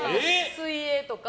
水泳とか。